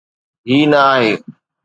هي نه آهي.